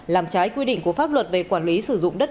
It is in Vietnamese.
làm trái quy định của pháp luật về quản lý sử dụng đất